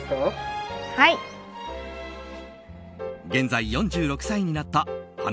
現在４６歳になった花＊